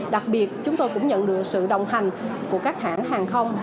đặc biệt chúng tôi cũng nhận được sự đồng hành của các hãng hàng không